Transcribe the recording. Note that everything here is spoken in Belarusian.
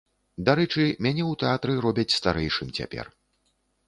Дарэчы, мяне ў тэатры робяць старэйшым цяпер.